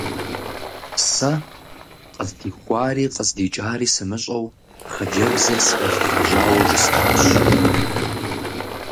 Сэ, фыкъыздихуари фыкъыздикӀари сымыщӀэу, хъыджэбзыр сфӀефхьэжьауэ жысӀэнщ.